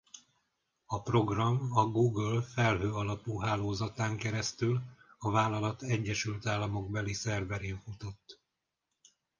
A program a Google felhő alapú hálózatán keresztül a vállalat egyesült államokbeli szerverén futott.